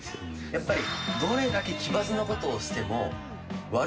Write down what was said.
やっぱり。